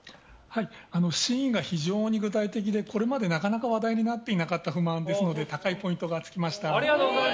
シーンが非常に具体的でこれまでなかなか話題になっていなかった不満ですので高いポイントが付きました。